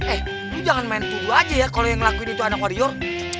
eh lu jangan main tuduh aja ya kalo yang ngelakuin itu anak warior